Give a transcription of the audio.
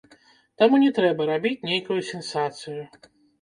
Таму не трэба рабіць нейкую сенсацыю.